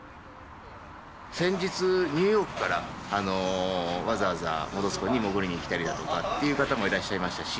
先日ニューヨークからわざわざ本栖湖に潜りに来たりだとかっていう方もいらっしゃいましたし。